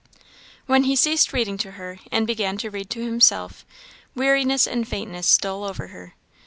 When he ceased reading to her, and began to read to himself, weariness and faintness stole over her.